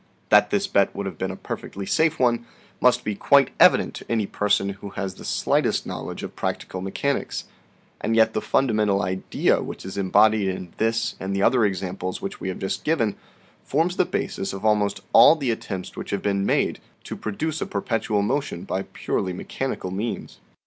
That this bet would have been a perfectly safe one must be quite evident to any person who has the slightest knowl edge of practical mechanics, and yet the fundamental idea which is embodied in this and the other examples which we have just given, forms the basis of almost all the attempts which have been made to produce a perpetual motion by purely mechanical means.